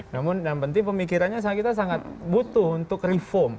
namun yang penting pemikirannya kita sangat butuh untuk reform